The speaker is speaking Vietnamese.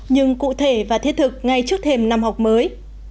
nhưng cụ thể và thiết thực ngay trước thềm năm học mới